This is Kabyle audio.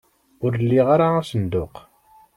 Ur liɣ ara asenduq.